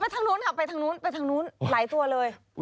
ไปทางนู้นยังหลายตัวเลย